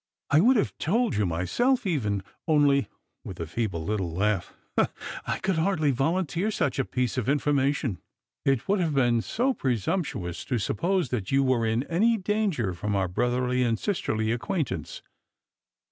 I would have told you myself even, only," with a feeble little laugh, " I could hardly volunteer such a piece of information ; it would have been so presumptuous to suppose that you were in any danger from our brotherly and sisterly acquaintance."